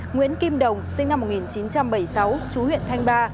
nguyễn kim đồng sinh năm một nghìn chín trăm bảy mươi sáu chú huyện thanh ba